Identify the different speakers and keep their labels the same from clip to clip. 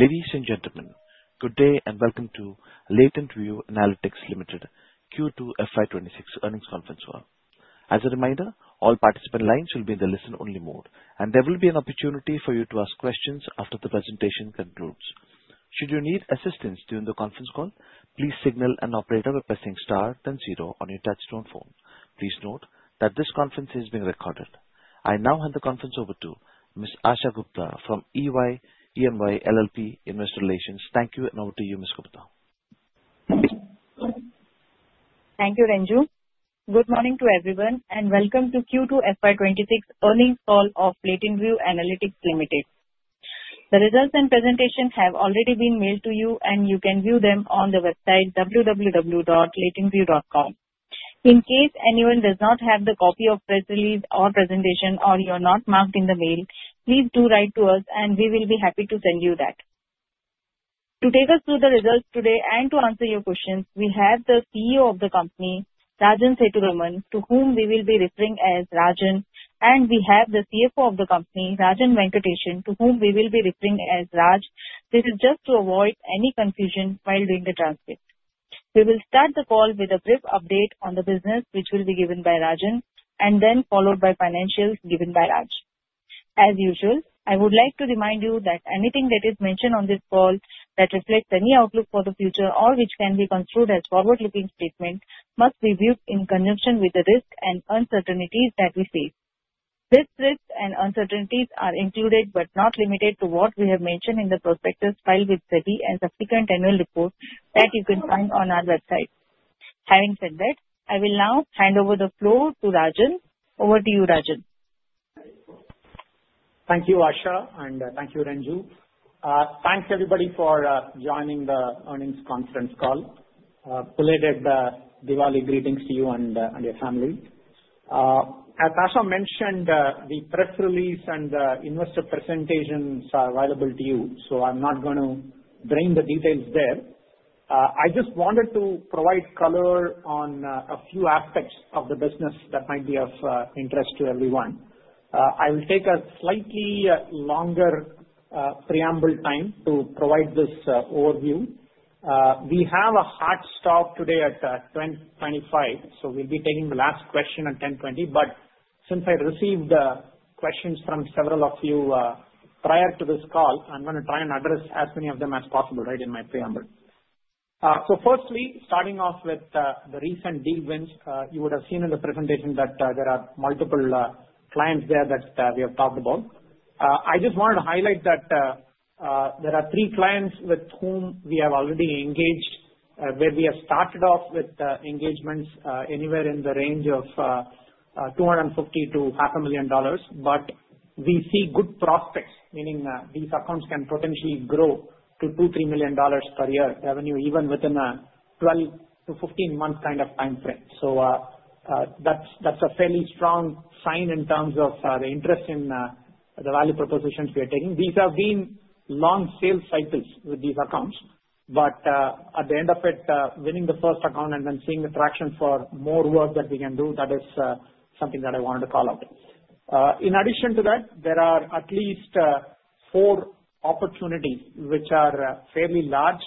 Speaker 1: Ladies and gentlemen, good day and welcome to LatentView Analytics Limited Q2 FY26 Earnings Conference Call. As a reminder, all participant lines will be in the listen-only mode, and there will be an opportunity for you to ask questions after the presentation concludes. Should you need assistance during the Conference Call, please signal an operator by pressing star then zero on your touch-tone phone. Please note that this conference is being recorded. I now hand the conference over to Ms. Asha Gupta from Ernst & Young LLP Investor Relations. Thank you, and over to you, Ms. Gupta.
Speaker 2: Thank you, Ranju. Good morning to everyone, and welcome to Q2 FY26 Earnings Call of LatentView Analytics Limited. The results and presentation have already been mailed to you, and you can view them on the website www.latentview.com. In case anyone does not have the copy of press release or presentation, or you are not marked in the mail, please do write to us, and we will be happy to send you that. To take us through the results today and to answer your questions, we have the CEO of the company, Rajan Sethuraman, to whom we will be referring as Rajan, and we have the CFO of the company, Rajan Venkatesan, to whom we will be referring as Raj. This is just to avoid any confusion while doing the transcript. We will start the call with a brief update on the business, which will be given by Rajan, and then followed by financials given by Raj. As usual, I would like to remind you that anything that is mentioned on this call that reflects any outlook for the future or which can be construed as forward-looking statement must be viewed in conjunction with the risk and uncertainties that we face. These risks and uncertainties are included but not limited to what we have mentioned in the prospectus filed with SEBI and subsequent annual reports that you can find on our website. Having said that, I will now hand over the floor to Rajan. Over to you, Rajan.
Speaker 3: Thank you, Asha, and thank you, Ranju. Thanks, everybody, for joining the Earnings Conference Call. Passing Diwali greetings to you and your family. As Asha mentioned, the press release and investor presentations are available to you, so I'm not going to dive into the details there. I just wanted to provide color on a few aspects of the business that might be of interest to everyone. I will take a slightly longer preamble time to provide this overview. We have a hard stop today at 10:25AM so we'll be taking the last question at 10:20AM, but since I received questions from several of you prior to this call, I'm going to try and address as many of them as possible right in my preamble. So firstly, starting off with the recent deal wins, you would have seen in the presentation that there are multiple clients there that we have talked about. I just wanted to highlight that there are three clients with whom we have already engaged, where we have started off with engagements anywhere in the range of $250,000-500,000, but we see good prospects, meaning these accounts can potentially grow to $2 to 3 million per year revenue even within a 12-to-15-month kind of time frame. So that's a fairly strong sign in terms of the interest in the value propositions we are taking. These have been long sales cycles with these accounts, but at the end of it, winning the first account and then seeing the traction for more work that we can do, that is something that I wanted to call out. In addition to that, there are at least four opportunities which are fairly large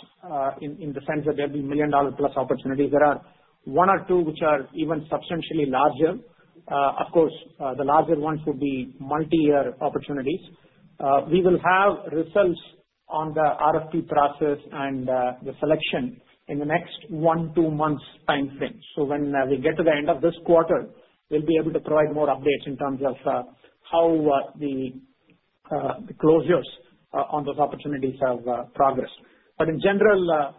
Speaker 3: in the sense that they'll be $1 million plus opportunities. There are one or two which are even substantially larger. Of course, the larger ones would be multi-year opportunities. We will have results on the RFP process and the selection in the next one to two months' time frame, so when we get to the end of this quarter, we'll be able to provide more updates in terms of how the closures on those opportunities have progressed, but in general,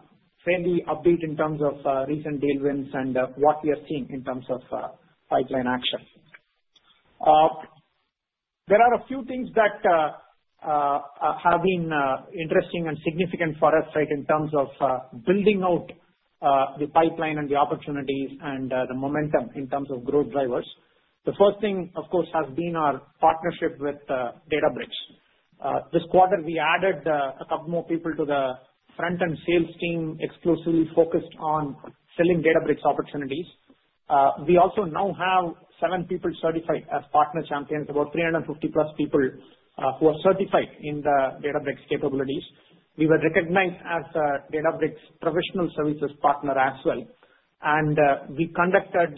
Speaker 3: fairly upbeat in terms of recent deal wins and what we are seeing in terms of pipeline action. There are a few things that have been interesting and significant for us right in terms of building out the pipeline and the opportunities and the momentum in terms of growth drivers. The first thing, of course, has been our partnership with Databricks. This quarter, we added a couple more people to the front-end sales team exclusively focused on selling Databricks opportunities. We also now have seven people certified as partner champions, about 350-plus people who are certified in the Databricks capabilities. We were recognized as Databricks' professional services partner as well, and we conducted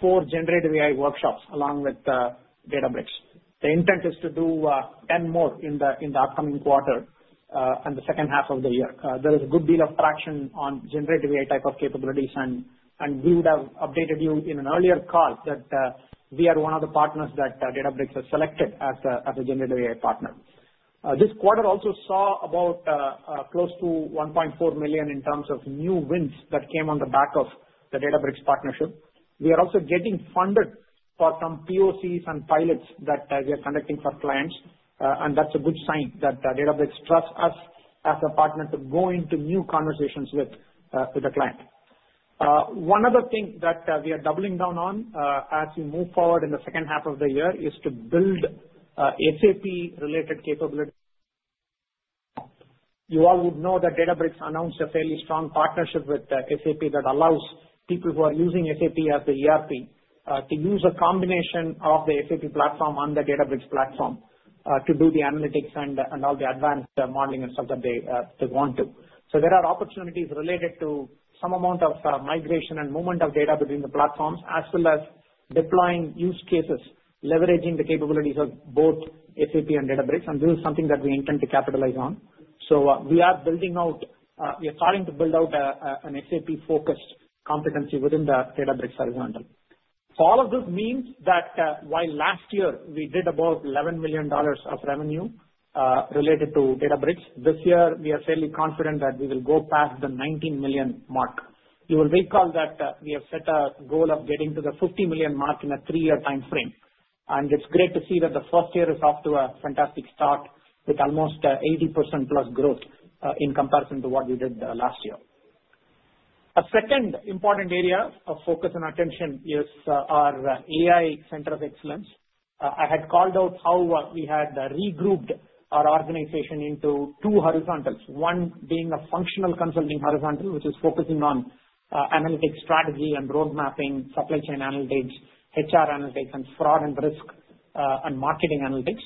Speaker 3: four generative AI workshops along with Databricks. The intent is to do 10 more in the upcoming quarter and the second half of the year. There is a good deal of traction on generative AI type of capabilities, and we would have updated you in an earlier call that we are one of the partners that Databricks has selected as a generative AI partner. This quarter also saw about close to $1.4 million in terms of new wins that came on the back of the Databricks partnership. We are also getting funded for some POCs and pilots that we are conducting for clients, and that's a good sign that Databricks trusts us as a partner to go into new conversations with the client. One other thing that we are doubling down on as we move forward in the second half of the year is to build SAP-related capabilities. You all would know that Databricks announced a fairly strong partnership with SAP that allows people who are using SAP as the ERP to use a combination of the SAP platform on the Databricks platform to do the analytics and all the advanced modeling and stuff that they want to. So there are opportunities related to some amount of migration and movement of data between the platforms as well as deploying use cases, leveraging the capabilities of both SAP and Databricks, and this is something that we intend to capitalize on. So we are building out. We are starting to build out an SAP-focused competency within the Databricks horizontal. All of this means that while last year we did about $11 million of revenue related to Databricks, this year we are fairly confident that we will go past the $19 million mark. We will recall that we have set a goal of getting to the $50 million mark in a three-year time frame, and it's great to see that the first year is off to a fantastic start with almost 80%-plus growth in comparison to what we did last year. A second important area of focus and attention is our AI Center of Excellence. I had called out how we had re-grouped our organization into two horizontals, one being a Functional Consulting Horizontal, which is focusing on analytics strategy and roadmapping, supply chain analytics, HR analytics, and fraud and risk and marketing analytics.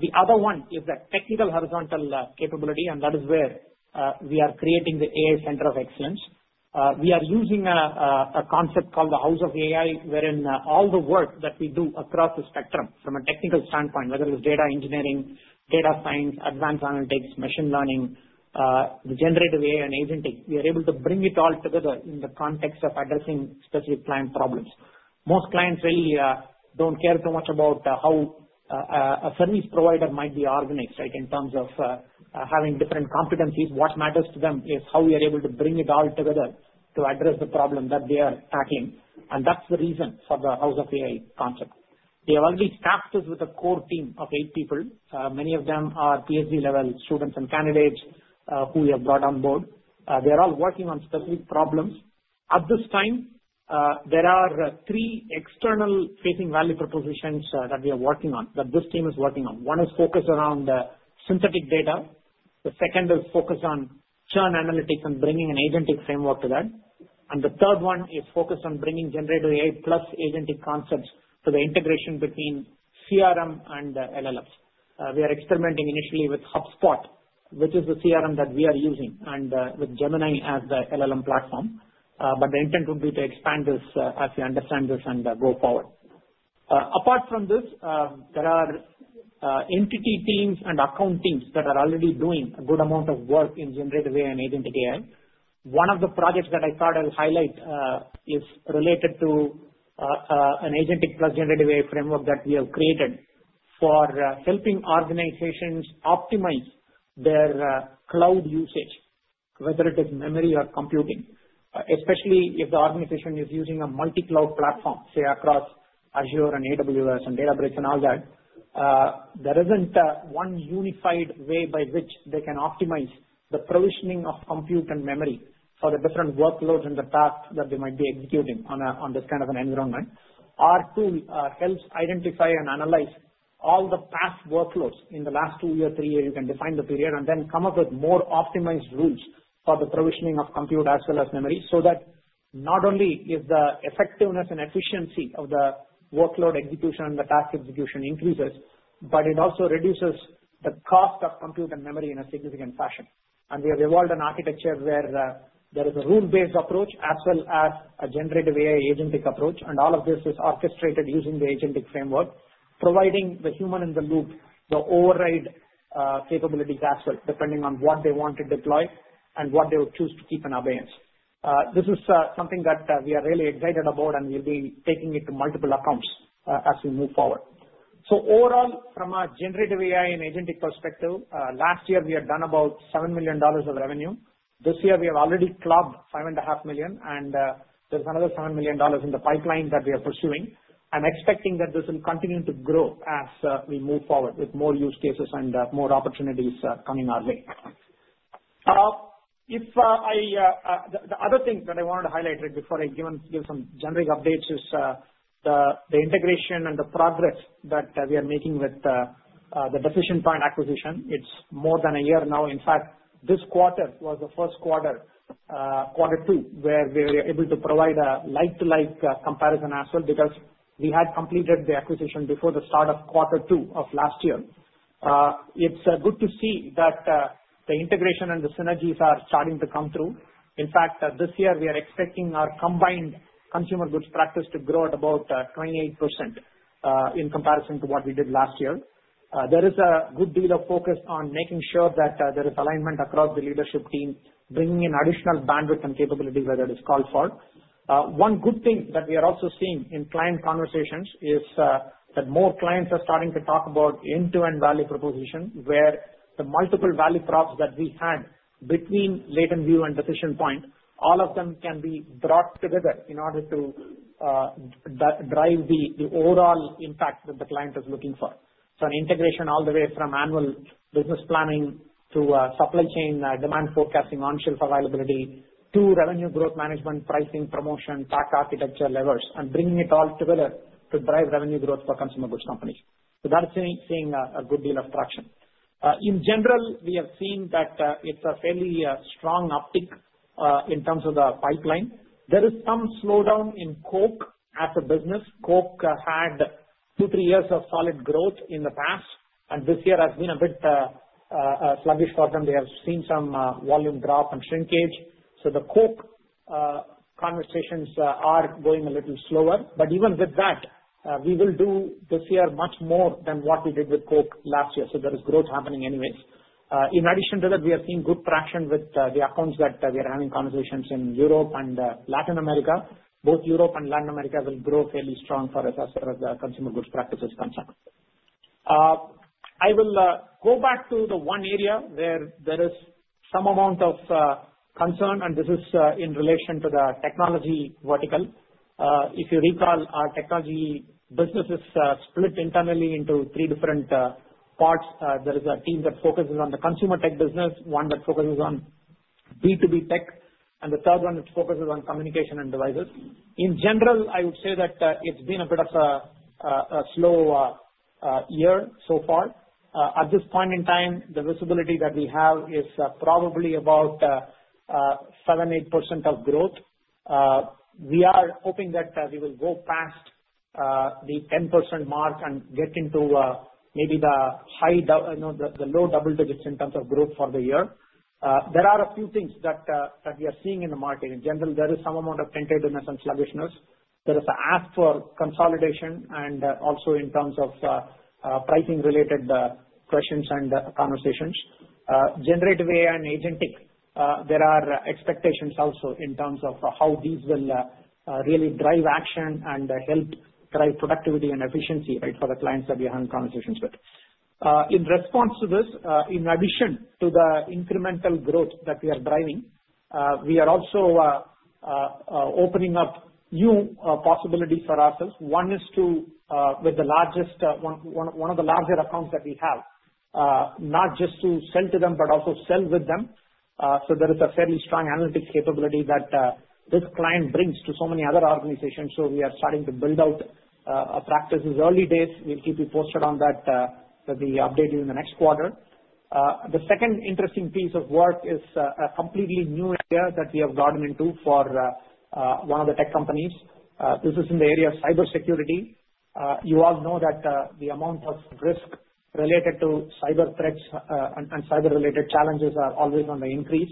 Speaker 3: The other one is that Technical Horizontal Capability, and that is where we are creating the AI Center of Excellence. We are using a concept called the House of AI, wherein all the work that we do across the spectrum from a technical standpoint, whether it's data engineering, data science, advanced analytics, machine learning, the Generative AI, and Agentic, we are able to bring it all together in the context of addressing specific client problems. Most clients really don't care so much about how a service provider might be organized in terms of having different competencies. What matters to them is how we are able to bring it all together to address the problem that they are tackling, and that's the reason for the House of AI concept. They have already staffed us with a core team of eight people. Many of them are PhD-level students and candidates who we have brought on board. They are all working on specific problems. At this time, there are three external-facing value propositions that we are working on, that this team is working on. One is focused around Synthetic Data. The second is focused on Churn Analytics and bringing an agentic framework to that. And the third one is focused on bringing Generative AI-plus Agentic concepts to the integration between CRM and LLMs. We are experimenting initially with HubSpot, which is the CRM that we are using, and with Gemini as the LLM platform, but the intent would be to expand this as we understand this and go forward. Apart from this, there are entity teams and account teams that are already doing a good amount of work in generative AI and agentic AI. One of the projects that I thought I'll highlight is related to an Agentic-plus Generative AI framework that we have created for helping organizations optimize their cloud usage, whether it is memory or computing. Especially if the organization is using a multi-cloud platform, say, across Azure and AWS and Databricks and all that, there isn't one unified way by which they can optimize the provisioning of compute and memory for the different workloads in the past that they might be executing on this kind of an environment. Our tool helps identify and analyze all the past workloads in the last two years, three years. You can define the period and then come up with more optimized rules for the provisioning of compute as well as memory so that not only is the effectiveness and efficiency of the workload execution and the task execution increases, but it also reduces the cost of compute and memory in a significant fashion, and we have evolved an architecture where there is a rule-based approach as well as a generative AI agentic approach, and all of this is orchestrated using the agentic framework, providing the human in the loop the override capabilities as well, depending on what they want to deploy and what they would choose to keep in abeyance. This is something that we are really excited about, and we'll be taking it to multiple accounts as we move forward. Overall, from a Generative AI and Agentic Perspective, last year we had done about $7 million of revenue. This year we have already clocked $5.5 million, and there's another $7 million in the pipeline that we are pursuing. I'm expecting that this will continue to grow as we move forward with more use cases and more opportunities coming our way. The other thing that I wanted to highlight right before I give some generic updates is the integration and the progress that we are making with the Decision Point acquisition. It's more than a year now. In fact, this quarter was the first quarter, quarter two, where we were able to provide a like-for-like comparison as well because we had completed the acquisition before the start of quarter two of last year. It's good to see that the integration and the synergies are starting to come through. In fact, this year we are expecting our combined consumer goods practice to grow at about 28% in comparison to what we did last year. There is a good deal of focus on making sure that there is alignment across the leadership team, bringing in additional bandwidth and capabilities as it is called for. One good thing that we are also seeing in client conversations is that more clients are starting to talk about end-to-end value proposition, where the multiple value props that we had between LatentView and Decision Point, all of them can be brought together in order to drive the overall impact that the client is looking for, so an integration all the way from annual business planning to supply chain demand forecasting, on-shelf availability to revenue growth management, pricing, promotion, PAC architecture levers, and bringing it all together to drive revenue growth for consumer goods companies. So that's seeing a good deal of traction. In general, we have seen that it's a fairly strong uptick in terms of the pipeline. There is some slowdown in Coke as a business. Coke had two, three years of solid growth in the past, and this year has been a bit sluggish for them. They have seen some volume drop and shrinkage. So the Coke conversations are going a little slower, but even with that, we will do this year much more than what we did with Coke last year. So there is growth happening anyways. In addition to that, we are seeing good traction with the accounts that we are having conversations in Europe and Latin America. Both Europe and Latin America will grow fairly strong for us as far as consumer goods practices concerned. I will go back to the one area where there is some amount of concern, and this is in relation to the technology vertical. If you recall, our technology business is split internally into three different parts. There is a team that focuses on the consumer tech business, one that focuses on B2B tech, and the third one that focuses on communication and devices. In general, I would say that it's been a bit of a slow year so far. At this point in time, the visibility that we have is probably about 7%-8% of growth. We are hoping that we will go past the 10% mark and get into maybe the low double digits in terms of growth for the year. There are a few things that we are seeing in the market. In general, there is some amount of tentativeness and sluggishness. There is an ask for consolidation and also in terms of pricing-related questions and conversations. Generative AI and Agentic AI, there are expectations also in terms of how these will really drive action and help drive productivity and efficiency for the clients that we are having conversations with. In response to this, in addition to the incremental growth that we are driving, we are also opening up new possibilities for ourselves. One is with the largest one of the larger accounts that we have, not just to sell to them, but also sell with them, so there is a fairly strong analytics capability that this client brings to so many other organizations, so we are starting to build out a practice. In the early days, we'll keep you posted on that. That we update you in the next quarter. The second interesting piece of work is a completely new area that we have gotten into for one of the tech companies. This is in the area of cybersecurity. You all know that the amount of risk related to cyber threats and cyber-related challenges are always on the increase,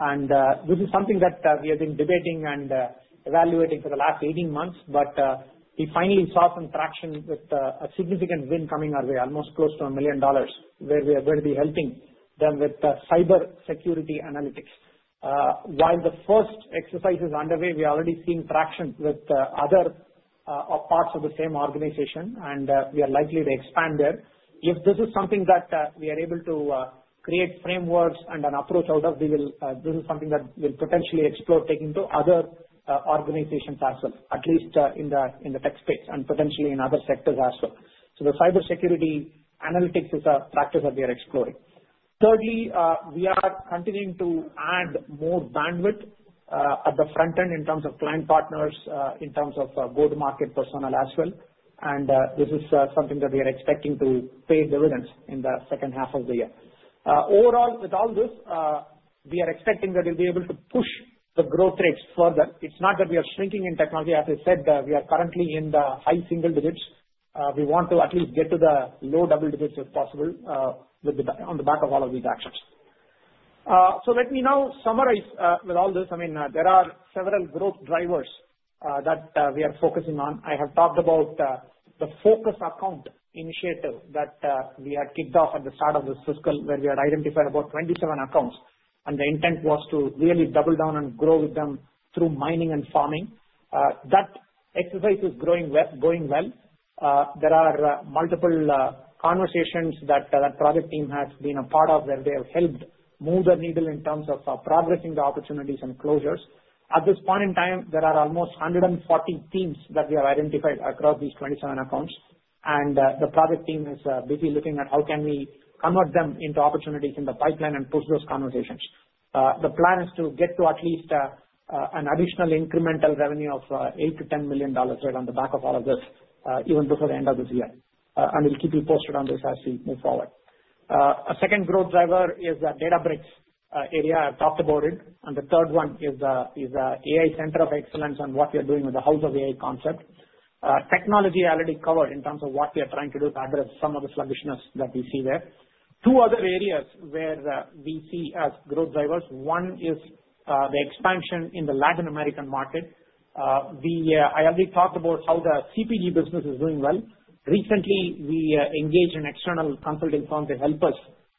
Speaker 3: and this is something that we have been debating and evaluating for the last 18 months, but we finally saw some traction with a significant win coming our way, almost close to $1 million, where we are going to be helping them with cybersecurity analytics. While the first exercise is underway, we are already seeing traction with other parts of the same organization, and we are likely to expand there. If this is something that we are able to create frameworks and an approach out of, this is something that we'll potentially explore taking to other organizations as well, at least in the tech space and potentially in other sectors as well, so the cybersecurity analytics is a practice that we are exploring. Thirdly, we are continuing to add more bandwidth at the front end in terms of client partners, in terms of go-to-market personnel as well, and this is something that we are expecting to pay dividends in the second half of the year. Overall, with all this, we are expecting that we'll be able to push the growth rates further. It's not that we are shrinking in technology. As I said, we are currently in the high single digits. We want to at least get to the low double digits if possible on the back of all of these actions. So let me now summarize with all this. I mean, there are several growth drivers that we are focusing on. I have talked about the Focus Account initiative that we had kicked off at the start of this Fiscal, where we had identified about 27 accounts, and the intent was to really double down and grow with them through mining and farming. That exercise is going well. There are multiple conversations that that project team has been a part of, where they have helped move the needle in terms of progressing the opportunities and closures. At this point in time, there are almost 140 teams that we have identified across these 27 accounts, and the project team is busy looking at how can we convert them into opportunities in the pipeline and push those conversations. The plan is to get to at least an additional incremental revenue of $8-10 million right on the back of all of this, even before the end of this year, and we'll keep you posted on this as we move forward. A second growth driver is the Databricks area. I've talked about it, and the third one is the AI Center of Excellence and what we are doing with the House of AI concept. Technology already covered in terms of what we are trying to do to address some of the sluggishness that we see there. Two other areas where we see as growth drivers, one is the expansion in the Latin American market. I already talked about how the CPG business is doing well. Recently, we engaged an external consulting firm to help us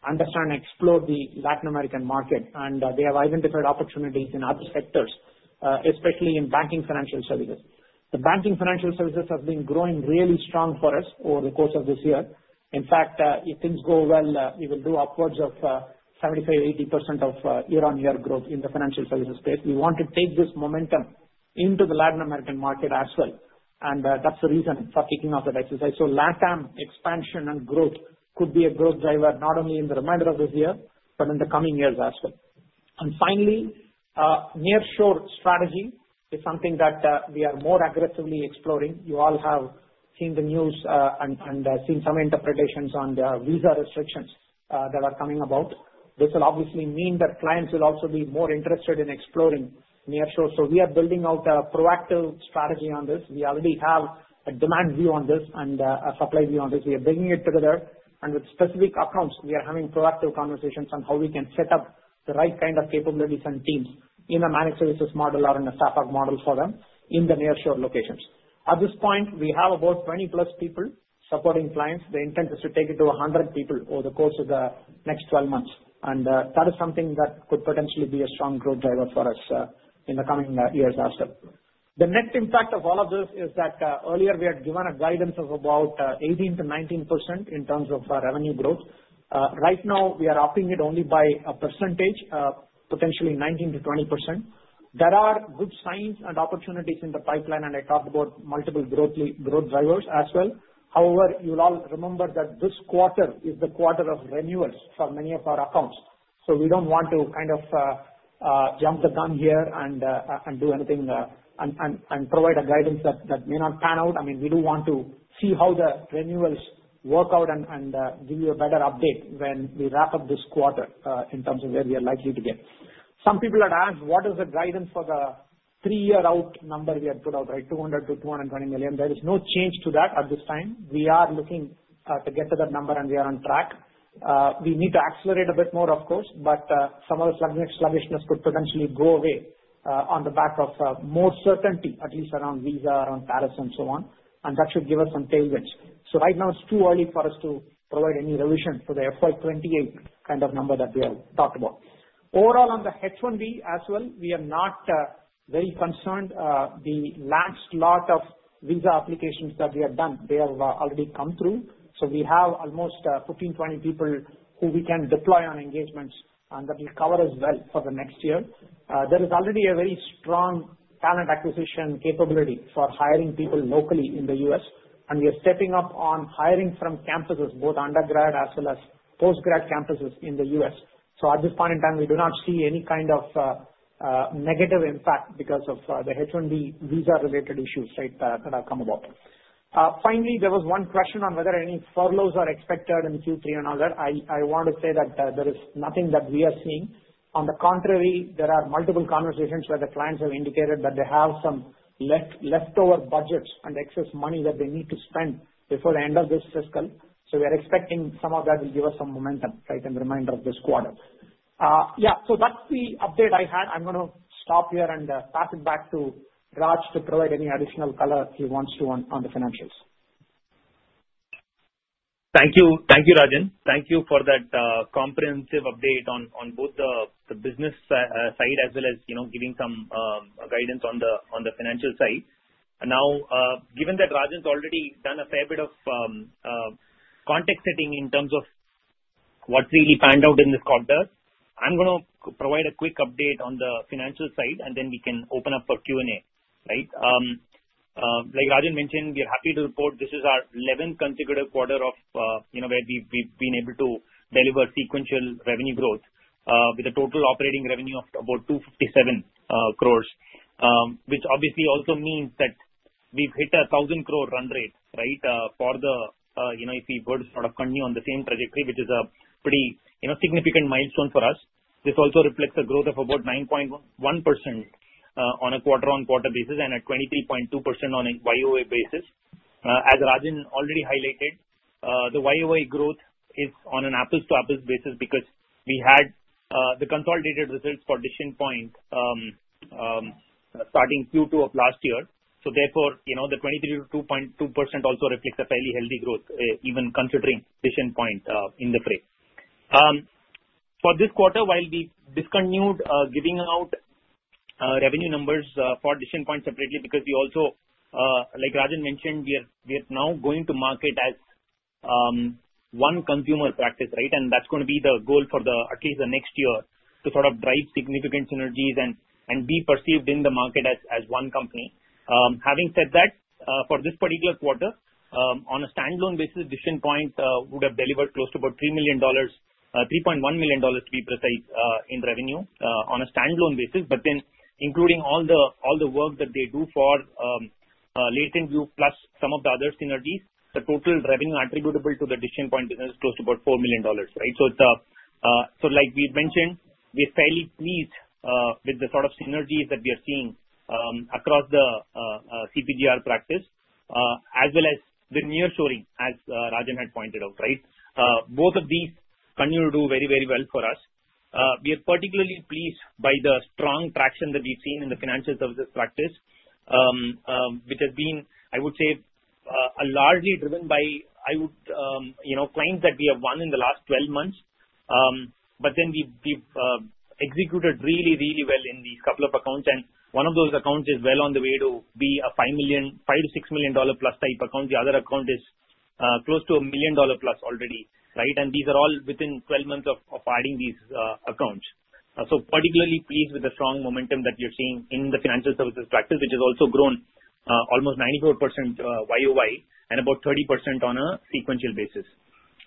Speaker 3: understand and explore the Latin American market, and they have identified opportunities in other sectors, especially in banking financial services. The banking financial services have been growing really strong for us over the course of this year. In fact, if things go well, we will do upwards of 75%-80% year-on-year growth in the financial services space. We want to take this momentum into the Latin American market as well, and that's the reason for kicking off that exercise, so LATAM expansion and growth could be a growth driver not only in the remainder of this year, but in the coming years as well. And finally, Near-Shore Strategy is something that we are more aggressively exploring. You all have seen the news and seen some interpretations on the Visa restrictions that are coming about. This will obviously mean that clients will also be more interested in exploring near-shore. So we are building out a proactive strategy on this. We already have a demand view on this and a supply view on this. We are bringing it together, and with specific accounts, we are having proactive conversations on how we can set up the right kind of capabilities and teams in a managed services model or in a Staff Aug Model for them in the Near-Shore Locations. At this point, we have about 20-plus people supporting clients. The intent is to take it to 100 people over the course of the next 12 months, and that is something that could potentially be a strong growth driver for us in the coming years as well. The net impact of all of this is that earlier we had given a guidance of about 18% to 19% in terms of revenue growth. Right now, we are upping it only by a percentage, potentially 19% to 20%. There are good signs and opportunities in the pipeline, and I talked about multiple growth drivers as well. However, you'll all remember that this quarter is the quarter of renewals for many of our accounts. So we don't want to kind of jump the gun here and do anything and provide a guidance that may not pan out. I mean, we do want to see how the renewals work out and give you a better update when we wrap up this quarter in terms of where we are likely to get. Some people had asked, "What is the guidance for the three-year-out number we had put out, right, $200-220 million?" There is no change to that at this time. We are looking to get to that number, and we are on track. We need to accelerate a bit more, of course, but some of the sluggishness could potentially go away on the back of more certainty, at least around Visa, around tariffs, and so on, and that should give us some tailwinds. So right now, it's too early for us to provide any revision for the FY28 kind of number that we have talked about. Overall, on the H-1B as well, we are not very concerned. The last lot of Visa applications that we have done, they have already come through. So we have almost 15-20 people who we can deploy on engagements, and that will cover us well for the next year. There is already a very strong talent acquisition capability for hiring people locally in the US, and we are stepping up on hiring from campuses, both undergrad as well as postgrad campuses in the US. So at this point in time, we do not see any kind of negative impact because of the H-1B Visa-related issues, right, that have come about. Finally, there was one question on whether any furloughs are expected in Q3 or another. I want to say that there is nothing that we are seeing. On the contrary, there are multiple conversations where the clients have indicated that they have some leftover budgets and excess money that they need to spend before the end of this fiscal. So we are expecting some of that will give us some momentum, right, in the remainder of this quarter. Yeah. So that's the update I had. I'm going to stop here and pass it back to Raj to provide any additional color he wants to on the financials.
Speaker 4: Thank you, Rajan. Thank you for that comprehensive update on both the business side as well as giving some guidance on the financial side. Now, given that Rajan's already done a fair bit of context setting in terms of what's really panned out in this quarter, I'm going to provide a quick update on the financial side, and then we can open up for Q&A, right? Like Rajan mentioned, we are happy to report this is our 11th consecutive quarter where we've been able to deliver sequential revenue growth with a total operating revenue of about 257 crores, which obviously also means that we've hit a 1,000 crore run rate, right, for the if we were to sort of continue on the same trajectory, which is a pretty significant milestone for us. This also reflects a growth of about 9.1% on a quarter-on-quarter basis and at 23.2% on a YoY basis. As Rajan already highlighted, the YoY growth is on an apples-to-apples basis because we had the consolidated results for Decision Point starting Q2 of last year. So therefore, the 23.2% also reflects a fairly healthy growth, even considering Decision Point in the frame. For this quarter, while we discontinued giving out revenue numbers for Decision Point separately because we also, like Rajan mentioned, we are now going to market as one consumer practice, right, and that's going to be the goal for at least the next year to sort of drive significant synergies and be perceived in the market as one company. Having said that, for this particular quarter, on a standalone basis, Decision Point would have delivered close to about $3 million dollars, $3.1 million dollars, to be precise, in revenue on a standalone basis. But then, including all the work that they do for LatentView plus some of the other synergies, the total revenue attributable to the Decision Point business is close to about $4 million, right? So like we mentioned, we're fairly pleased with the sort of synergies that we are seeing across the CPG & Retail practice, as well as the near-shoring, as Rajan had pointed out, right? Both of these continue to do very, very well for us. We are particularly pleased by the strong traction that we've seen in the financial services practice, which has been, I would say, largely driven by, I would, clients that we have won in the last 12 months. But then we've executed really, really well in these couple of accounts, and one of those accounts is well on the way to be a $5 to 6 million plus type account. The other account is close to $1 million plus already, right? And these are all within 12 months of adding these accounts. So particularly pleased with the strong momentum that you're seeing in the financial services practice, which has also grown almost 94% YOY and about 30% on a sequential basis.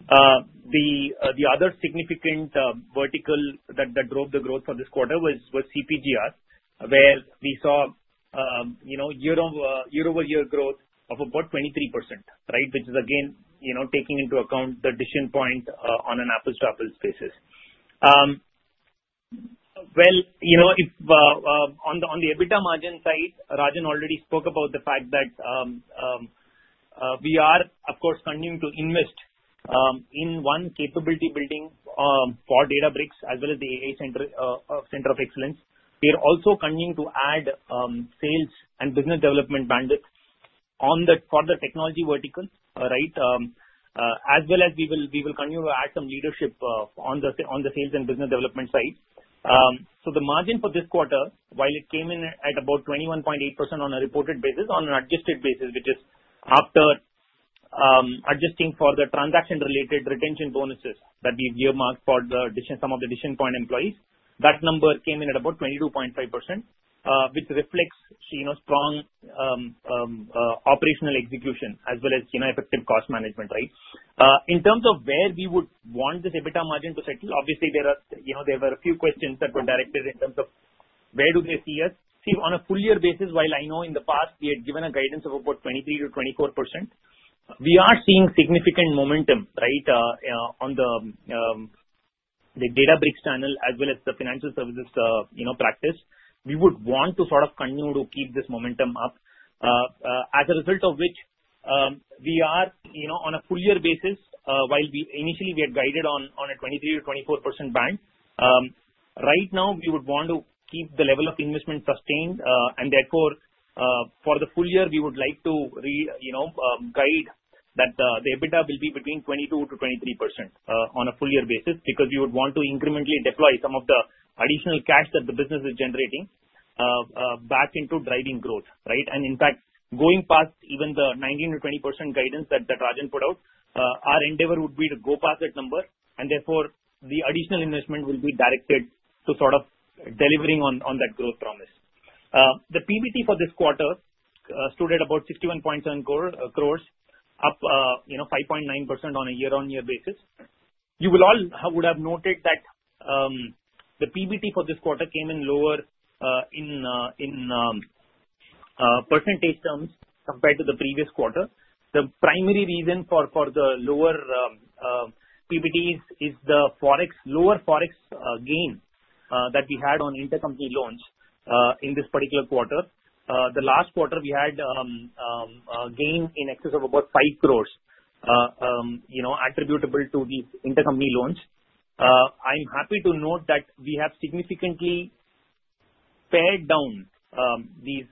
Speaker 4: The other significant vertical that drove the growth for this quarter was CPG $ Retail, where we saw year-over-year growth of about 23%, right, which is, again, taking into account the Decision Point on an apples-to-apples basis. Well, on the EBITDA margin side, Rajan already spoke about the fact that we are, of course, continuing to invest in one capability building for Databricks as well as the AI Center of Excellence. We are also continuing to add sales and business development bandwidth for the technology vertical, right, as well as we will continue to add some leadership on the sales and business development side. So the margin for this quarter, while it came in at about 21.8% on a reported basis, on an adjusted basis, which is after adjusting for the transaction-related retention bonuses that we've marked for some of the Decision Point employees, that number came in at about 22.5%, which reflects strong operational execution as well as effective cost management, right? In terms of where we would want this EBITDA margin to settle, obviously, there were a few questions that were directed in terms of where do they see us. See, on a full-year basis, while I know in the past we had given a guidance of about 23%-24%, we are seeing significant momentum, right, on the Databricks channel as well as the financial services practice. We would want to sort of continue to keep this momentum up, as a result of which we are, on a full-year basis, while initially we had guided on a 23%-24% band, right now we would want to keep the level of investment sustained, and therefore, for the full year, we would like to guide that the EBITDA will be between 22%-23% on a full-year basis because we would want to incrementally deploy some of the additional cash that the business is generating back into driving growth, right? And in fact, going past even the 19%-20% guidance that Rajan put out, our endeavor would be to go past that number, and therefore, the additional investment will be directed to sort of delivering on that growth promise. The PBT for this quarter stood at about 61.7 crores, up 5.9% on a year-on-year basis. You all would have noted that the PBT for this quarter came in lower in percentage terms compared to the previous quarter. The primary reason for the lower PBTs is the lower forex gain that we had on intercompany loans in this particular quarter. The last quarter, we had a gain in excess of about 5 crores attributable to these intercompany loans. I'm happy to note that we have significantly pared down these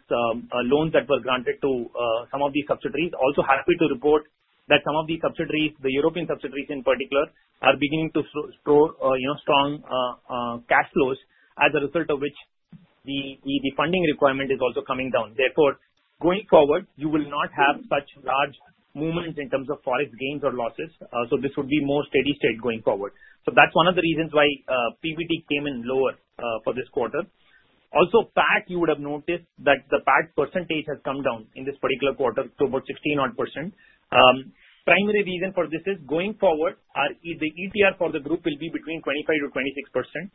Speaker 4: loans that were granted to some of these subsidiaries. Also happy to report that some of these subsidiaries, the European subsidiaries in particular, are beginning to show strong cash flows, as a result of which the funding requirement is also coming down. Therefore, going forward, you will not have such large movements in terms of forex gains or losses. So this would be more steady state going forward. So that's one of the reasons why PBT came in lower for this quarter. Also, PAC, you would have noticed that the PAT percentage has come down in this particular quarter to about 16% odd. Primary reason for this is going forward, the ETR for the group will be between 25%-26%.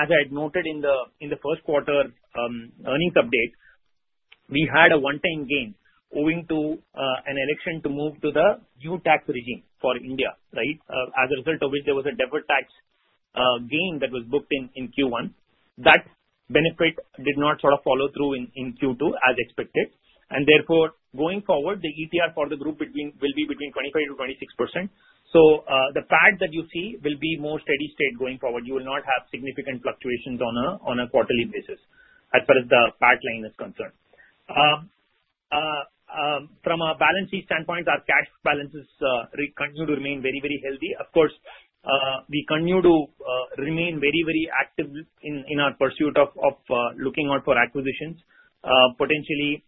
Speaker 4: As I had noted in the Q1 earnings update, we had a one-time gain owing to an election to move to the new tax regime for India, right, as a result of which there was a deferred tax gain that was booked in Q1. That benefit did not sort of follow through in Q2 as expected. And therefore, going forward, the ETR for the group will be between 25%-26%. So the PAC that you see will be more steady state going forward. You will not have significant fluctuations on a quarterly basis as far as the PAC line is concerned. From a balance sheet standpoint, our cash balances continue to remain very, very healthy. Of course, we continue to remain very, very active in our pursuit of looking out for acquisitions, potentially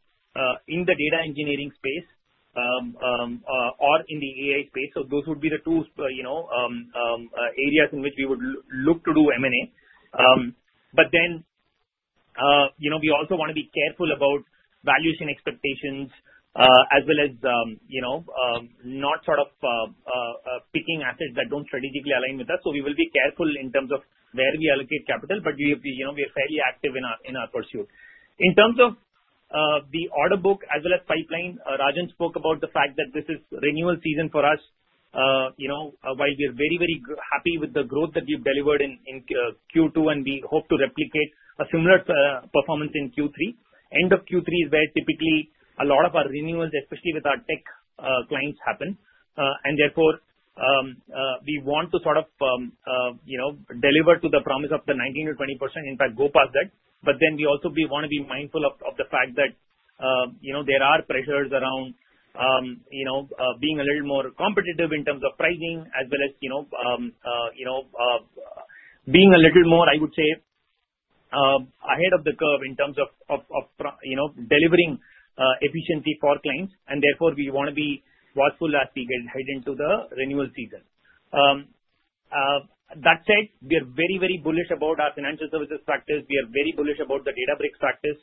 Speaker 4: in the data engineering space or in the AI space. So those would be the two areas in which we would look to do M&A. But then we also want to be careful about valuation expectations as well as not sort of picking assets that don't strategically align with us. So we will be careful in terms of where we allocate capital, but we are fairly active in our pursuit. In terms of the order book as well as pipeline, Rajan spoke about the fact that this is renewal season for us. While we are very, very happy with the growth that we've delivered in Q2, and we hope to replicate a similar performance in Q3. End of Q3 is where typically a lot of our renewals, especially with our tech clients, happen, and therefore, we want to sort of deliver to the promise of the 19%-20%, in fact, go past that, but then we also want to be mindful of the fact that there are pressures around being a little more competitive in terms of pricing as well as being a little more, I would say, ahead of the curve in terms of delivering efficiency for clients, and therefore, we want to be watchful as we head into the renewal season. That said, we are very, very bullish about our financial services practice. We are very bullish about the Databricks practice,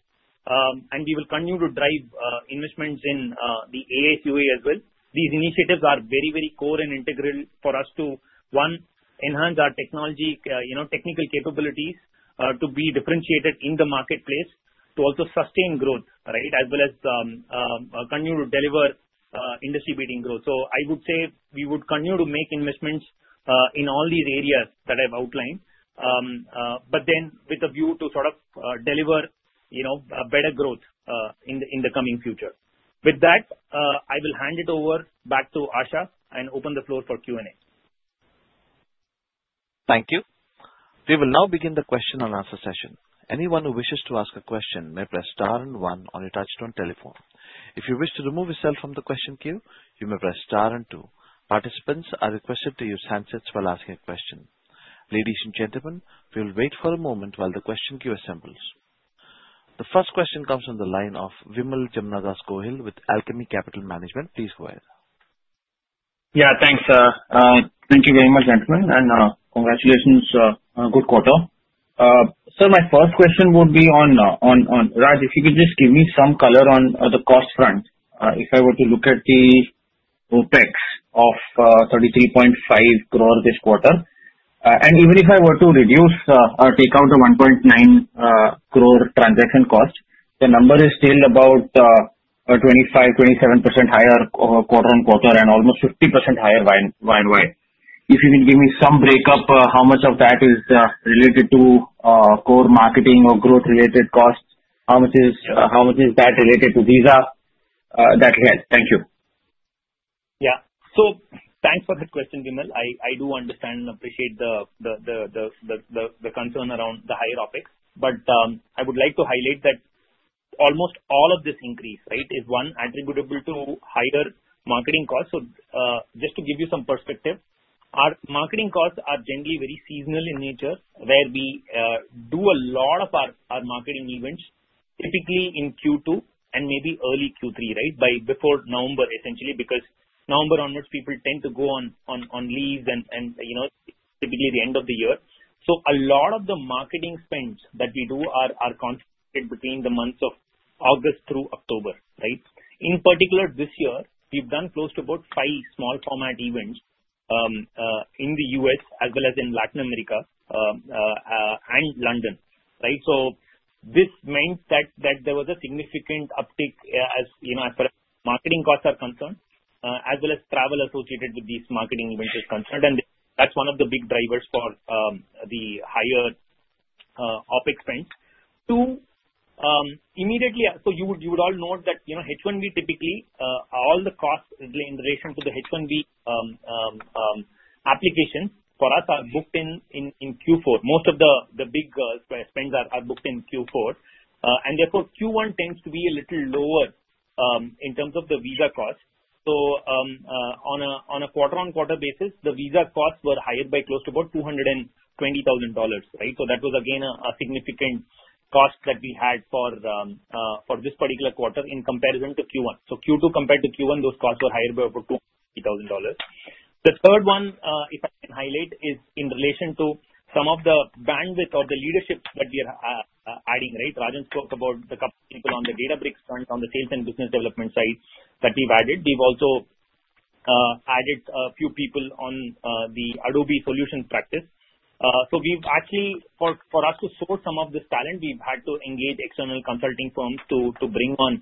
Speaker 4: and we will continue to drive investments in the AI CoE as well. These initiatives are very, very core and integral for us to, one, enhance our technological capabilities to be differentiated in the marketplace, to also sustain growth, right, as well as continue to deliver industry-beating growth. So I would say we would continue to make investments in all these areas that I've outlined, but then with a view to sort of deliver better growth in the coming future. With that, I will hand it over back to Asha and open the floor for Q&A.
Speaker 1: Thank you. We will now begin the question and answer session. Anyone who wishes to ask a question may press star and one on your touch-tone telephone. If you wish to remove yourself from the question queue, you may press star and two. Participants are requested to use handsets while asking a question. Ladies and gentlemen, we will wait for a moment while the question queue assembles. The first question comes from the line of Vimal Gohil with Alchemy Capital Management. Please go ahead.
Speaker 5: Yeah. Thanks, sir. Thank you very much, gentlemen, and congratulations. Good quarter. Sir, my first question would be on Raj, if you could just give me some color on the cost front. If I were to look at the OpEx of 33.5 crore this quarter, and even if I were to reduce or take out the 1.9 crore transaction cost, the number is still about 25% to -27% higher quarter-on-quarter and almost 50% higher year-on-year. If you can give me some breakup, how much of that is related to core marketing or growth-related costs? How much is that related to Visa that we had?
Speaker 4: Thank you. Yeah. So thanks for that question, Vimal. I do understand and appreciate the concern around the higher OPEX, but I would like to highlight that almost all of this increase, right, is one attributable to higher marketing costs. So just to give you some perspective, our marketing costs are generally very seasonal in nature, where we do a lot of our marketing events typically in Q2 and maybe early Q3, right, before November, essentially, because November onwards, people tend to go on leaves and typically the end of the year. So a lot of the marketing spends that we do are concentrated between the months of August through October, right? In particular, this year, we've done close to about five small-format events in the US as well as in Latin America and London, right? So this meant that there was a significant uptick as far as marketing costs are concerned as well as travel associated with these marketing events is concerned, and that's one of the big drivers for the higher OpEx spend. So you would all note that H-1B typically, all the costs in relation to the H-1B applications for us are booked in Q4. Most of the big spends are booked in Q4, and therefore, Q1 tends to be a little lower in terms of the Visa costs. So on a quarter-on-quarter basis, the Visa costs were higher by close to about $220,000, right? So that was, again, a significant cost that we had for this particular quarter in comparison to Q1. So Q2 compared to Q1, those costs were higher by about $220,000. The third one, if I can highlight, is in relation to some of the bandwidth or the leadership that we are adding, right? Rajan spoke about the couple of people on the Databricks front, on the sales and business development side that we've added. We've also added a few people on the Adobe Solutions practice. So actually, for us to source some of this talent, we've had to engage external consulting firms to bring on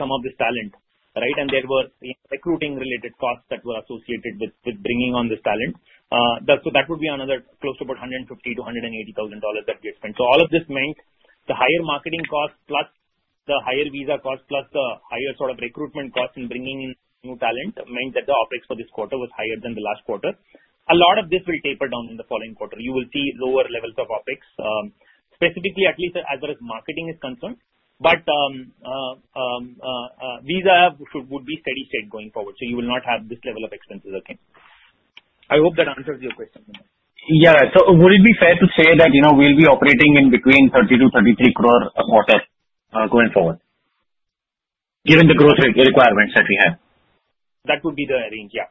Speaker 4: some of this talent, right? And there were recruiting-related costs that were associated with bringing on this talent. So that would be another close to about $150,000 to 180,000 that we had spent. So all of this meant the higher marketing costs plus the higher Visa costs plus the higher sort of recruitment costs in bringing in new talent meant that the OPEX for this quarter was higher than the last quarter. A lot of this will taper down in the following quarter. You will see lower levels of OpEx, specifically at least as far as marketing is concerned, but Visa would be steady state going forward, so you will not have this level of expenses again. I hope that answers your question, Vimal. Yeah. So would it be fair to say that we'll be operating in between 30 to 33 crore a quarter going forward, given the growth requirements that we have? That would be the range, yeah.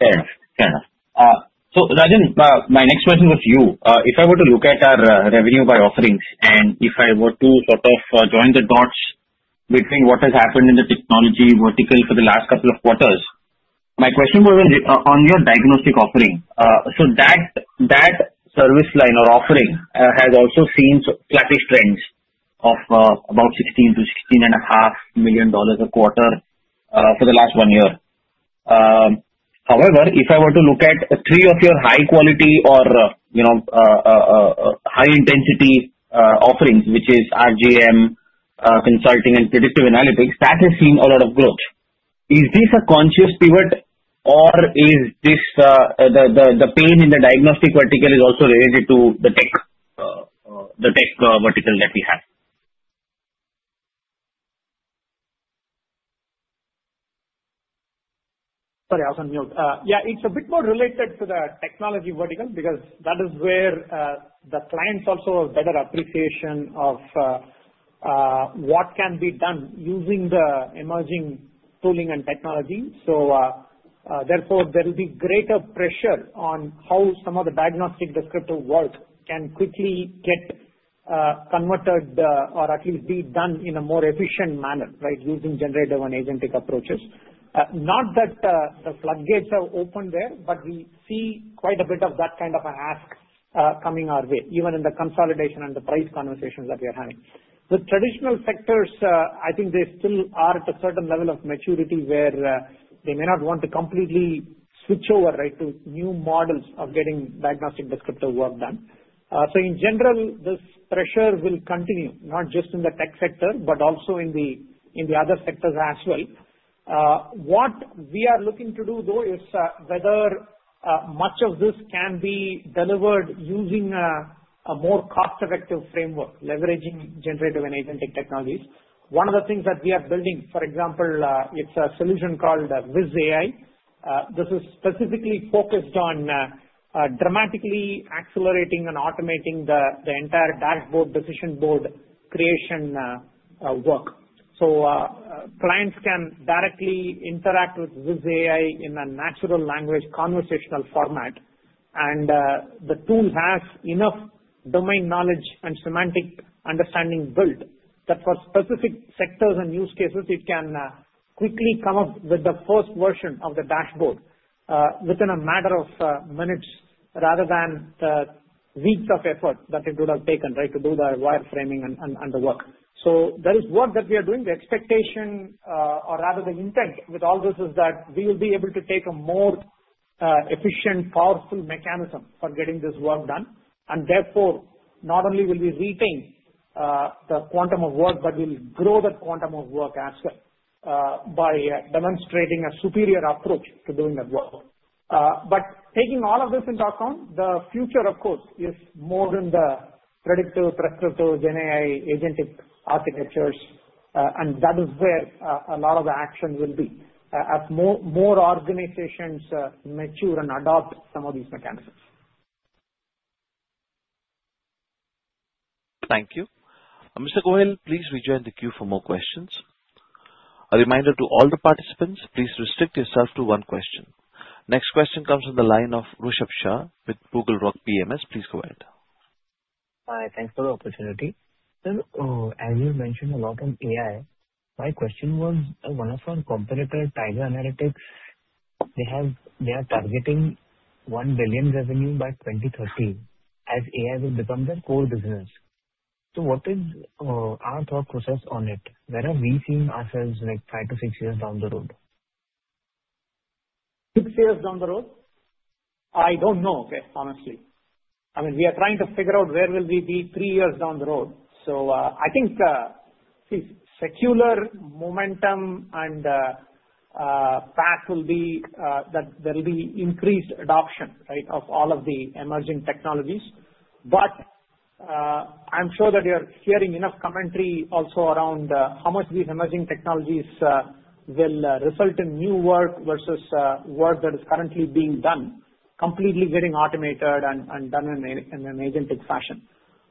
Speaker 5: Fair enough. Fair enough. So Rajan, my next question was for you. If I were to look at our revenue by offerings and if I were to sort of join the dots between what has happened in the Technology Vertical for the last couple of quarters, my question was on your diagnostic offering. So that service line or offering has also seen flattish trends of about $16 to 16.5 million a quarter for the last one year. However, if I were to look at three of your high-quality or high-intensity offerings, which is RGM, consulting, and predictive analytics, that has seen a lot of growth. Is this a conscious pivot, or is this the pain in the Diagnostic Vertical is also related to the tech vertical that we have?
Speaker 3: Sorry, I was on mute. Yeah. It's a bit more related to the Technology Vertical because that is where the clients also have better appreciation of what can be done using the emerging tooling and technology. So therefore, there will be greater pressure on how some of the diagnostic descriptor work can quickly get converted or at least be done in a more efficient manner, right, using generative and agentic approaches. Not that the floodgates are open there, but we see quite a bit of that kind of ask coming our way, even in the consolidation and the price conversations that we are having. With traditional sectors, I think they still are at a certain level of maturity where they may not want to completely switch over, right, to new models of getting diagnostic descriptor work done. So in general, this pressure will continue, not just in the tech sector, but also in the other sectors as well. What we are looking to do, though, is whether much of this can be delivered using a more cost-effective framework, leveraging generative and agentic technologies. One of the things that we are building, for example, it's a solution called VizAI. This is specifically focused on dramatically accelerating and automating the entire dashboard decision board creation work. So clients can directly interact with VizAI in a natural language conversational format, and the tool has enough domain knowledge and semantic understanding built that for specific sectors and use cases, it can quickly come up with the first version of the dashboard within a matter of minutes rather than weeks of effort that it would have taken, right, to do the wireframing and the work. So that is what we are doing. The expectation, or rather the intent with all this, is that we will be able to take a more efficient, powerful mechanism for getting this work done. And therefore, not only will we retain the quantum of work, but we'll grow that quantum of work as well by demonstrating a superior approach to doing that work. But taking all of this into account, the future, of course, is more in the predictive, prescriptive, gen AI, agentic architectures, and that is where a lot of the action will be as more organizations mature and adopt some of these mechanisms.
Speaker 1: Thank you. Mr. Gohil, please rejoin the queue for more questions. A reminder to all the participants, please restrict yourself to one question. Next question comes from the line of Rushabh Shah of BugleRock PMS. Please go ahead.
Speaker 6: Hi. Thanks for the opportunity. Sir, as you mentioned a lot on AI, my question was, one of our competitor, Tiger Analytics, they are targeting 1 billion revenue by 2030 as AI will become their core business. So what is our thought process on it? Where are we seeing ourselves five to six years down the road?
Speaker 3: Six years down the road? I don't know, honestly. I mean, we are trying to figure out where will we be three years down the road. So I think secular momentum and fact will be that there will be increased adoption, right, of all of the emerging technologies. But I'm sure that you're hearing enough commentary also around how much these emerging technologies will result in new work versus work that is currently being done, completely getting automated and done in an Agentic Fashion.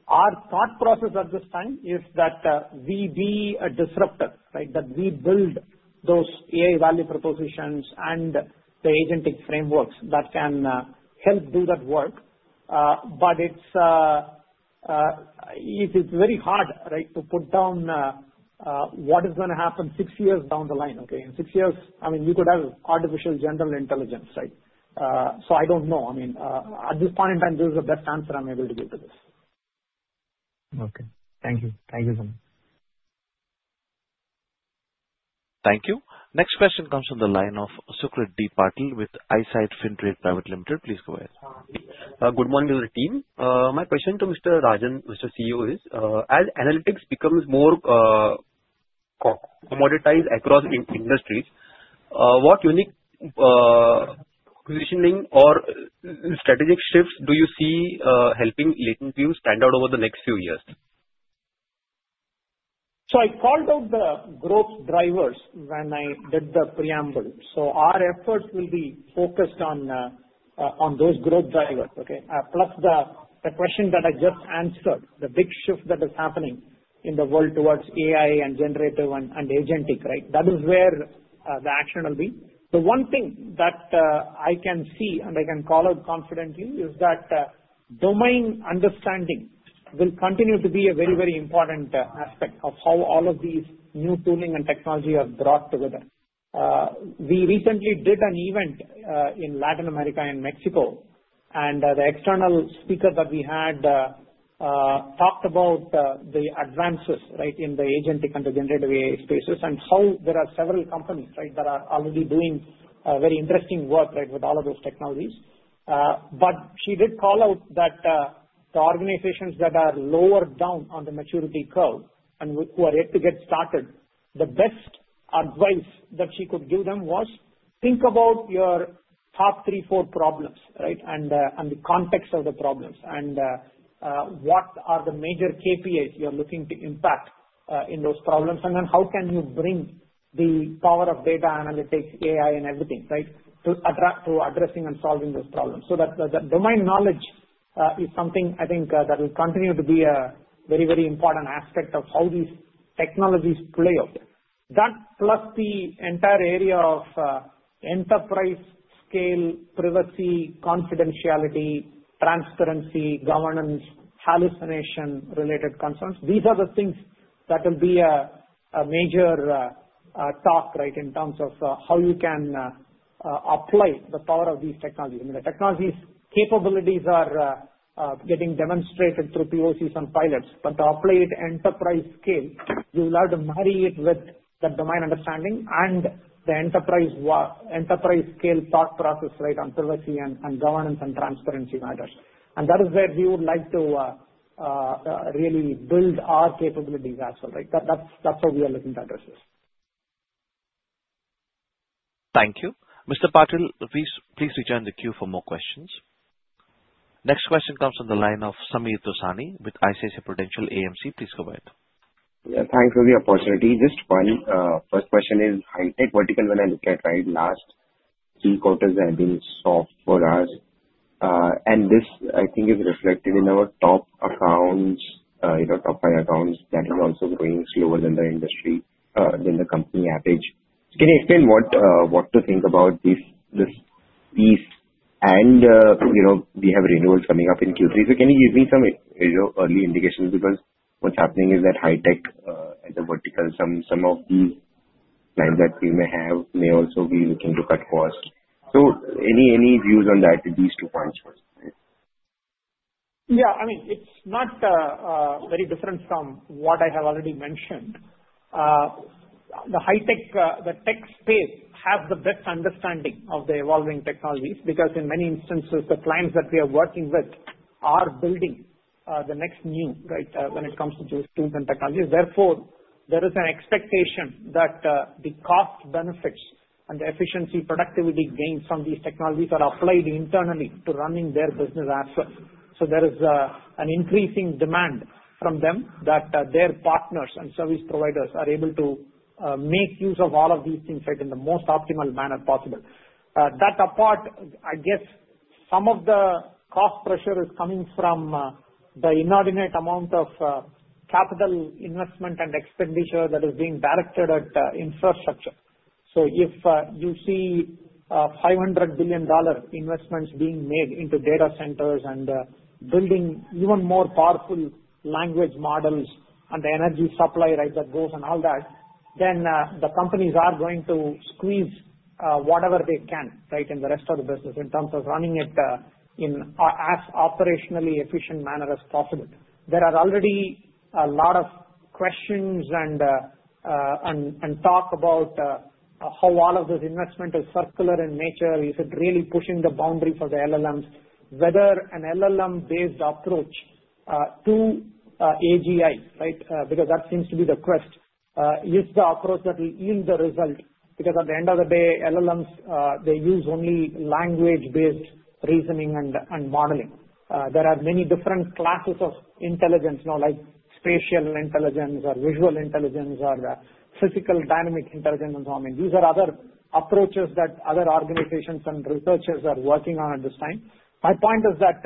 Speaker 3: Our thought process at this time is that we be a disruptor, right, that we build those AI value propositions and the agentic frameworks that can help do that work. But it is very hard, right, to put down what is going to happen six years down the line, okay? In six years, I mean, you could have artificial general intelligence, right? So I don't know. I mean, at this point in time, this is the best answer I'm able to give to this.
Speaker 6: Okay. Thank you. Thank you so much.
Speaker 1: Thank you. Next question comes from the line of Sucrit Deep Patil with Eyesight Fintrade Private Limited. Please go ahead.
Speaker 7: Good morning, team. My question to Mr. Rajan, Mr. CEO, is as analytics becomes more commoditized across industries, what unique positioning or strategic shifts do you see helping LatentView stand out over the next few years?
Speaker 3: So I called out the growth drivers when I did the preamble. So our efforts will be focused on those growth drivers, okay, plus the question that I just answered, the big shift that is happening in the world towards AI and generative and agentic, right? That is where the action will be. The one thing that I can see, and I can call out confidently, is that domain understanding will continue to be a very, very important aspect of how all of these new tooling and technology are brought together. We recently did an event in Latin America and Mexico, and the external speaker that we had talked about the advances, right, in the agentic and the generative AI spaces and how there are several companies, right, that are already doing very interesting work, right, with all of those technologies. But she did call out that the organizations that are lower down on the maturity curve and who are yet to get started, the best advice that she could give them was, "Think about your top three, four problems, right, and the context of the problems, and what are the major KPIs you're looking to impact in those problems, and then how can you bring the power of data analytics, AI, and everything, right, to addressing and solving those problems?" So that the domain knowledge is something, I think, that will continue to be a very, very important aspect of how these technologies play out. That plus the entire area of enterprise scale, privacy, confidentiality, transparency, governance, hallucination-related concerns, these are the things that will be a major talk, right, in terms of how you can apply the power of these technologies. I mean, the technology's capabilities are getting demonstrated through POCs and pilots, but to apply it enterprise scale, you will have to marry it with the domain understanding and the enterprise scale thought process, right, on privacy and governance and transparency matters, and that is where we would like to really build our capabilities as well, right? That's how we are looking to address this.
Speaker 1: Thank you. Mr. Patil, please rejoin the queue for more questions. Next question comes from the line of Sameer Dosani with ICICI Prudential AMC. Please go ahead.
Speaker 8: Yeah. Thanks for the opportunity. Just one. First question is, High-Tech vertical when I look at, right, last three quarters have been soft for us, and this, I think, is reflected in our top accounts, top five accounts that are also growing slower than the industry, than the company average. Can you explain what to think about this piece? And we have renewals coming up in Q3, so can you give me some early indications because what's happening is that high-tech at the vertical, some of these clients that we may have may also be looking to cut costs. So any views on that, these two points?
Speaker 3: Yeah. I mean, it's not very different from what I have already mentioned. The high-tech space has the best understanding of the evolving technologies because in many instances, the clients that we are working with are building the next new, right, when it comes to those tools and technologies. Therefore, there is an expectation that the cost benefits and the efficiency, productivity gains from these technologies are applied internally to running their business as well. So there is an increasing demand from them that their partners and service providers are able to make use of all of these things, right, in the most optimal manner possible. That apart, I guess some of the cost pressure is coming from the inordinate amount of capital investment and expenditure that is being directed at infrastructure. So if you see $500 billion investments being made into data centers and building even more powerful language models and the energy supply, right, that goes and all that, then the companies are going to squeeze whatever they can, right, in the rest of the business in terms of running it in as operationally efficient manner as possible. There are already a lot of questions and talk about how all of this investment is circular in nature. Is it really pushing the boundary for the LLMs? Whether an LLM-based Approach to AGI, right, because that seems to be the quest, is the approach that will yield the result because at the end of the day, LLMs, they use only language-based reasoning and modeling. There are many different classes of intelligence, like spatial intelligence or visual intelligence or physical dynamic intelligence and so on. I mean, these are other approaches that other organizations and researchers are working on at this time. My point is that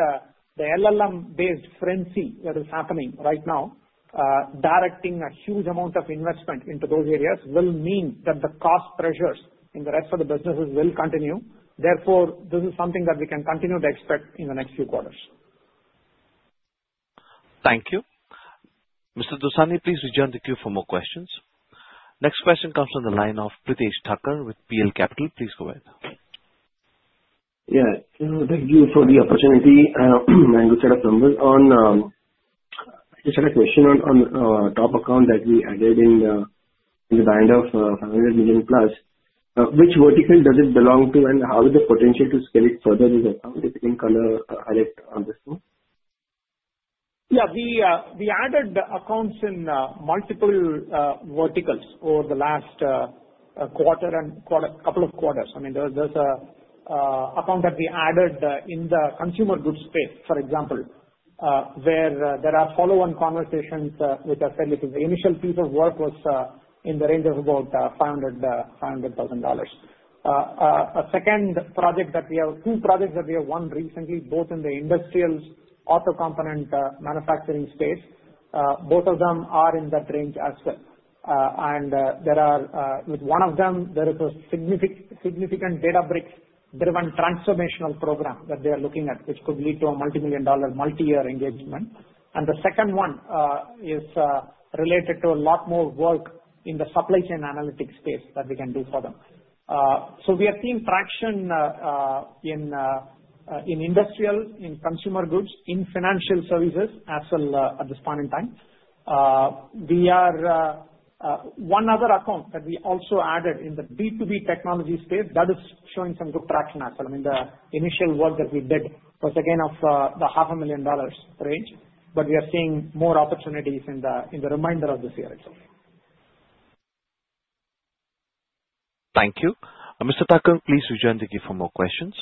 Speaker 3: the LLM-based frenzy that is happening right now, directing a huge amount of investment into those areas, will mean that the cost pressures in the rest of the businesses will continue. Therefore, this is something that we can continue to expect in the next few quarters.
Speaker 1: Thank you. Mr. Dosani, please rejoin the queue for more questions. Next question comes from the line of Pritesh Thakkar with PL Capital. Please go ahead.
Speaker 9: Yeah. Thank you for the opportunity. I'm looking at numbers one. I just had a question on top account that we added in the band of $500 million plus. Which vertical does it belong to, and how is the potential to scale it further? How does it incur highlight on this one?
Speaker 3: Yeah. We added accounts in multiple verticals over the last quarter and a couple of quarters. I mean, there's an account that we added in the consumer goods space, for example, where there are follow-on conversations which I said it is the initial piece of work was in the range of about $500,000. A second project that we have two projects that we have won recently, both in the industrial auto component manufacturing space. Both of them are in that range as well. With one of them, there is a significant Databricks-driven transformational program that they are looking at, which could lead to a multi-million dollar, multi-year engagement. The second one is related to a lot more work in the supply chain analytics space that we can do for them. We are seeing traction in industrial, in consumer goods, in financial services as well at this point in time. One other account that we also added in the B2B technology space, that is showing some good traction as well. I mean, the initial work that we did was again of the $500,000 range, but we are seeing more opportunities in the remainder of this year itself.
Speaker 1: Thank you. Mr. Thakkar, please rejoin the queue for more questions.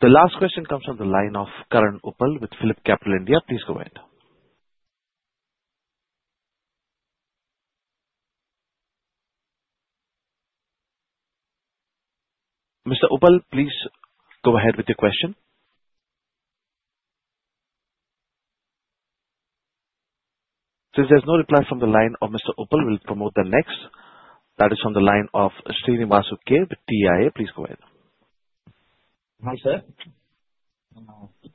Speaker 1: The last question comes from the line of Karan Uppal with PhillipCapital India. Please go ahead. Mr. Uppal, please go ahead with your question. Since there's no reply from the line of Mr. Uppal, we'll move to the next. That is from the line of Srinivas with TIA. Please go ahead. Hi, sir.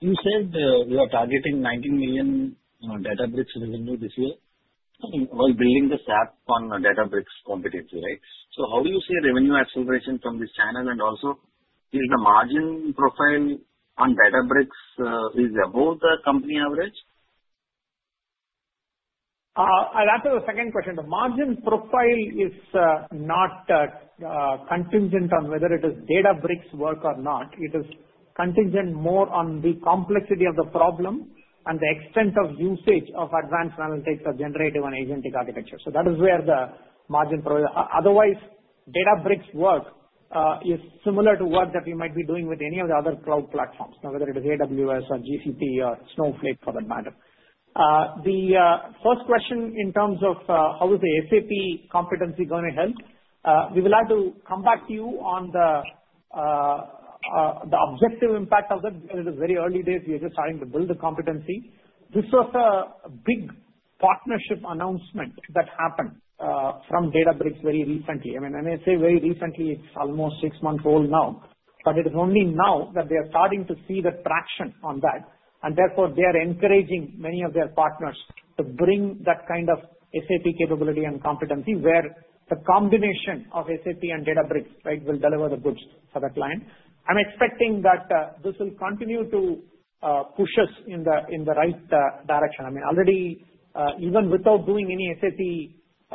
Speaker 1: You said we are targeting 19 million Databricks revenue this year. We're building this app on Databricks competency, right? So how do you see revenue acceleration from this channel? And also, is the margin profile on Databricks above the company average? That's the second question. The margin profile is not contingent on whether it is Databricks work or not. It is contingent more on the complexity of the problem and the extent of usage of advanced analytics or generative and agentic architecture. So that is where the margin profile otherwise, Databricks work is similar to work that we might be doing with any of the other cloud platforms, whether it is AWS or GCP or Snowflake for that matter.
Speaker 3: The first question in terms of how is the SAP competency going to help? We would like to come back to you on the objective impact of that because it is very early days. We are just starting to build the competency. This was a big partnership announcement that happened from Databricks very recently. I mean, when I say very recently, it's almost six months old now, but it is only now that they are starting to see the traction on that. And therefore, they are encouraging many of their partners to bring that kind of SAP capability and competency where the combination of SAP and Databricks, right, will deliver the goods for the client. I'm expecting that this will continue to push us in the right direction. I mean, already, even without doing any SAP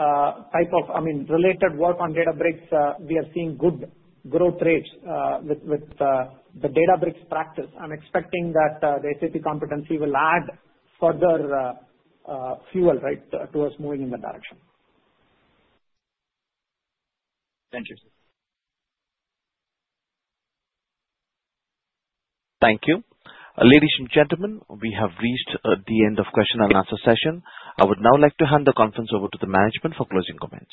Speaker 3: type of, I mean, related work on Databricks, we are seeing good growth rates with the Databricks practice. I'm expecting that the SAP competency will add further fuel, right, to us moving in that direction.
Speaker 1: Thank you. Thank you. Ladies and gentlemen, we have reached the end of question and answer session. I would now like to hand the conference over to the management for closing comments.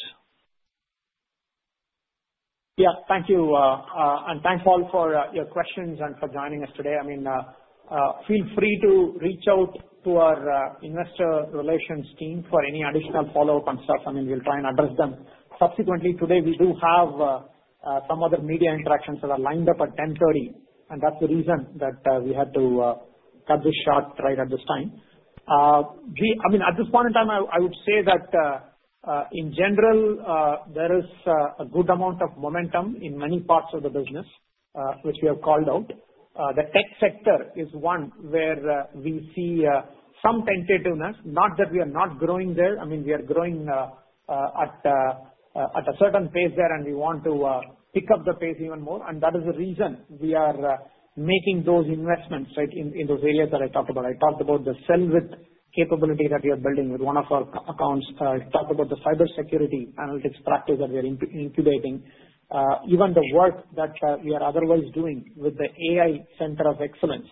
Speaker 3: Yeah. Thank you. And thanks all for your questions and for joining us today. I mean, feel free to reach out to our investor relations team for any additional follow-up on stuff. I mean, we'll try and address them subsequently. Today, we do have some other media interactions that are lined up at 10:30AM, and that's the reason that we had to cut this short right at this time. I mean, at this point in time, I would say that in general, there is a good amount of momentum in many parts of the business, which we have called out. The tech sector is one where we see some tentativeness, not that we are not growing there. I mean, we are growing at a certain pace there, and we want to pick up the pace even more, and that is the reason we are making those investments, right, in those areas that I talked about. I talked about the self-serve capability that we are building with one of our accounts. I talked about the cybersecurity analytics practice that we are incubating. Even the work that we are otherwise doing with the AI Center of Excellence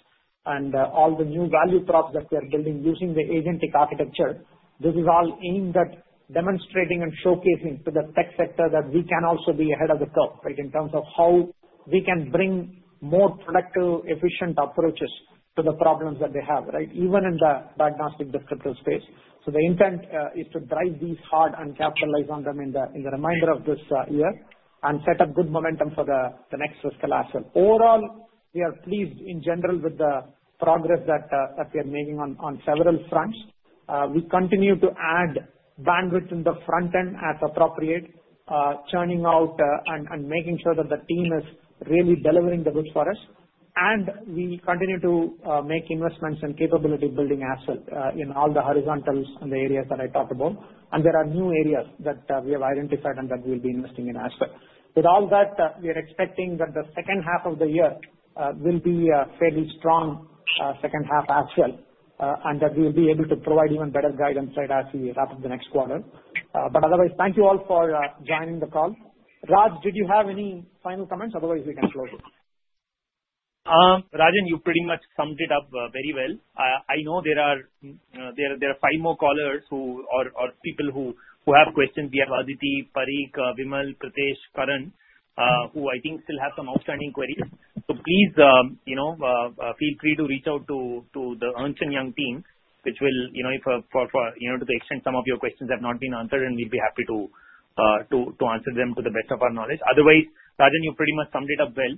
Speaker 3: and all the new value props that we are building using the agentic architecture, this is all aimed at demonstrating and showcasing to the tech sector that we can also be ahead of the curve, right, in terms of how we can bring more productive, efficient approaches to the problems that they have, right, even in the diagnostic descriptor space. So the intent is to drive these hard and capitalize on them in the remainder of this year and set up good momentum for the next fiscal year. Overall, we are pleased in general with the progress that we are making on several fronts. We continue to add bandwidth in the front end as appropriate, churning out and making sure that the team is really delivering the goods for us. And we continue to make investments in capability building asset in all the horizontals and the areas that I talked about. And there are new areas that we have identified and that we'll be investing in as well. With all that, we are expecting that the second half of the year will be a fairly strong second half as well and that we will be able to provide even better guidance right as we wrap up the next quarter. But otherwise, thank you all for joining the call. Raj, did you have any final comments? Otherwise, we can close it.
Speaker 4: Rajan, you pretty much summed it up very well. I know there are five more callers or people who have questions.W e have Aditi, Parik, Vimal, Pritesh, Karan, who I think still have some outstanding queries. So please feel free to reach out to the Ernst & Young team, which will, to the extent some of your questions have not been answered, and we'll be happy to answer them to the best of our knowledge. Otherwise, Rajan, you pretty much summed it up well,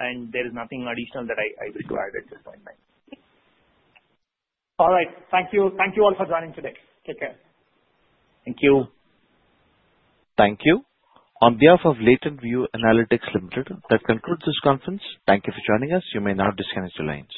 Speaker 4: and there is nothing additional that I wish to add at this point in time.
Speaker 3: All right. Thank you. Thank you all for joining today. Take care. Thank you.
Speaker 1: Thank you. On behalf of LatentView Analytics Limited, that concludes this conference. Thank you for joining us. You may now disconnect the lines.